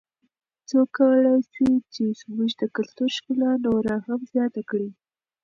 څوک کولای سي چې زموږ د کلتور ښکلا نوره هم زیاته کړي؟